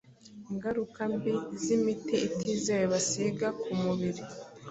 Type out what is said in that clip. ingaruka mbi z’ imiti itizewe basiga ku mubiri